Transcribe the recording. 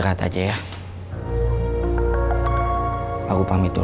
nanti dulu makan ya